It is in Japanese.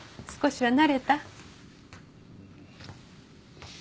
少しは慣れた？